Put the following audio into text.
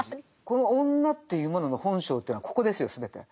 この女というものの本性というのはここですよ全て。